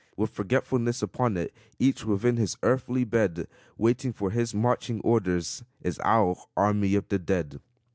With forgetfulness upon it each within his earthy bed, Waiting for his marching orders is our Army of the Dead.